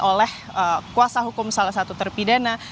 oleh kuasa hukum salah satu terpidana